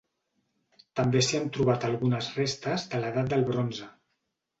També s'hi han trobat algunes restes de l'Edat del bronze.